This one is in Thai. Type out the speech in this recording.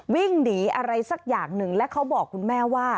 วิ่งหนีอะไรสักอย่างหนึ่งและเขาบอกคุณแม่ว่า